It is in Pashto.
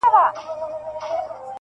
زما د سر امان دي وي لویه واکمنه -